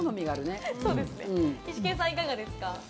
イシケンさん、いかがですか？